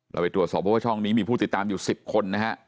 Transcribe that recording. ไปตรวจสอบเพราะว่าช่องนี้มีผู้ติดตามอยู่๑๐คนนะฮะ